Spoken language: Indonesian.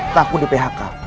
takut di phk